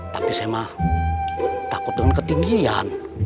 tapi saya mah takut dengan ketinggian